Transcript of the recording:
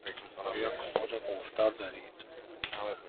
آیا کمد قفل دار دارید؟